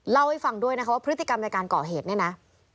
เล่าให้ฟังด้วยนะคะว่าพฤติกรรมในการก่อเหตุเนี่ยนะ